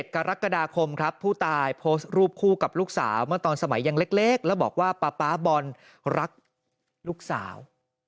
กรกฎาคมครับผู้ตายโพสต์รูปคู่กับลูกสาวเมื่อตอนสมัยยังเล็กแล้วบอกว่าป๊าป๊าบอลรักลูกสาว